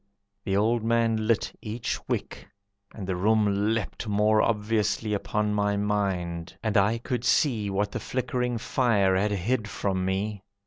The old man lit each wick, And the room leapt more obviously Upon my mind, and I could see What the flickering fire had hid from me.